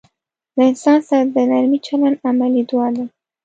له انسان سره د نرمي چلند عملي دعا ده.